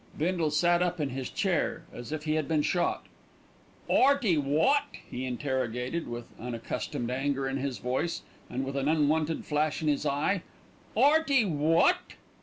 Bindle sat up in his chair as if he had been shot. "'Earty wot?" he interrogated, with unaccustomed anger in his voice, and an unwonted flash in his eye. "'Earty wot?"